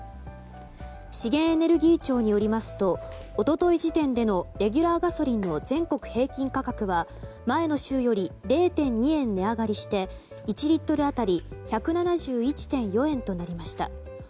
資源エネルギー庁によりますと一昨日時点でのレギュラーガソリンの全国平均価格は前の週より０．２円値上がりして１リットル当たり１７１．４円となりました。